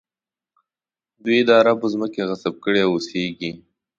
دوی د عربو ځمکې غصب کړي او اوسېږي.